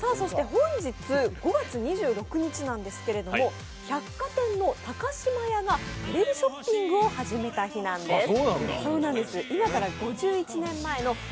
本日５月２６日なんですけど、百貨店の高島屋がテレビショッピングを始めた日なんです。